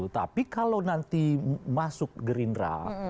tapi kalau nanti masuk gerindra